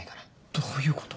どういうこと？